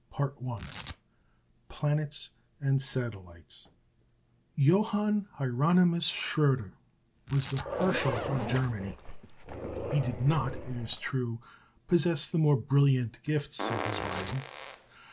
] CHAPTER VII PLANETS AND SATELLITES Johann Hieronymus Schröter was the Herschel of Germany. He did not, it is true, possess the more brilliant gifts of his rival.